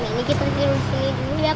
mbak pasrah ya allah